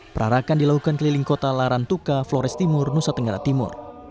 perarakan dilakukan keliling kota larantuka flores timur nusa tenggara timur